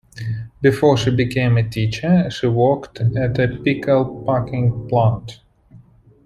Before she became a teacher, she worked at a pickle-packing plant.